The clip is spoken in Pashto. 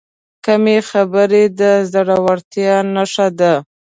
کمې خبرې، د زړورتیا نښه ده.